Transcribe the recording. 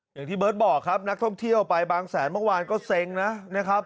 อย่างที่บอกครับนักท่องเที่ยวไปบางแสนเมื่อวานก็เซ็งนะครับ